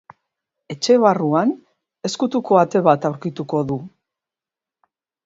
Etxe barruan ezkutuko ate bat aurkituko du.